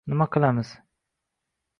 — Nima qilamiz?